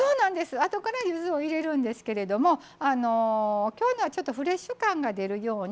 あとからゆずを入れるんですけども、きょうはフレッシュ感が出るように